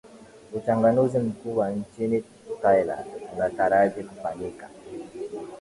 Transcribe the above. uchanguzi mkuu wa nchini thailand unataraji kufanyika